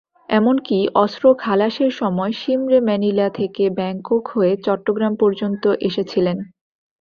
এমনকি অস্ত্র খালাসের সময় শিমরে ম্যানিলা থেকে ব্যাংকক হয়ে চট্টগ্রাম পর্যন্ত এসেছিলেন।